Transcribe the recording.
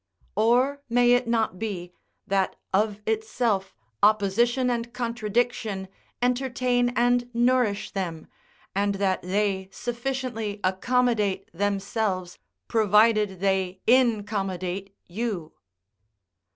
] or may it not be, that of itself opposition and contradiction entertain and nourish them, and that they sufficiently accommodate themselves, provided they incommodate you?